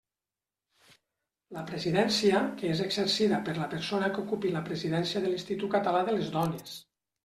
La presidència, que és exercida per la persona que ocupi la Presidència de l'Institut Català de les Dones.